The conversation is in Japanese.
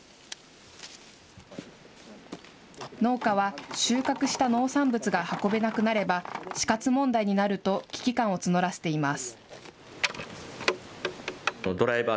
農家は収穫した農産物が運べなくなれば、死活問題になると危機感を募らせています。